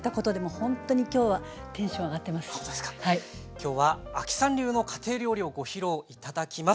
今日は亜希さん流の家庭料理をご披露頂きます。